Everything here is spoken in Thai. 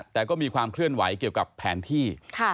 แต่ก็มีความเคลื่อนไหวเกี่ยวกับแผนที่